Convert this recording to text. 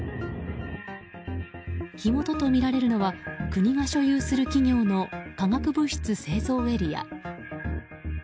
火元とみられるのは国が所有する企業の化学物質製造エリア。